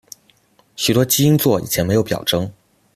许多基因座以前没有表征。